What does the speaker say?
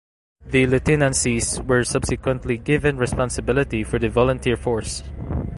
The lieutenancies were subsequently given responsibility for the Volunteer Force.